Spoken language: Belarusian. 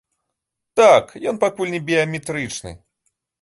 Так, ён пакуль не біяметрычны.